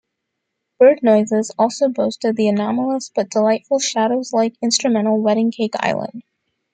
"Bird Noises" also boasted the anomalous, but delightful Shadows-like instrumental 'Wedding Cake Island'".